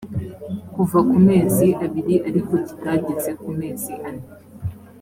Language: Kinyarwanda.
kuva ku mezi abiri ariko kitageze ku mezi ane